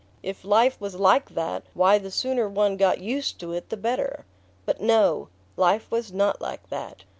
If life was like that, why the sooner one got used to it the better...But no! Life was not like that.